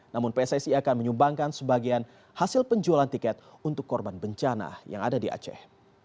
namun pssi akan menyumbangkan sebagian hasil penjualan tiket untuk korban bencana yang ada di aceh